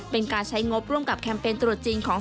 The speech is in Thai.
เป็นการใช้งบร่วมกับแคมเปญตรวจจริงของ